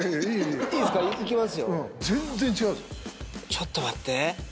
ちょっと待って。